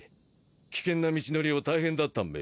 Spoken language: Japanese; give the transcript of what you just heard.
危険な道のりを大変だったんべ？